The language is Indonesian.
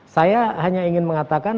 saya hanya ingin mengatakan